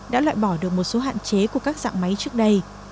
đã loại bỏ được một số hạn chế của các dạng máy trước đây